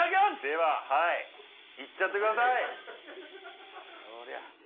でははいいっちゃってくださいこりゃ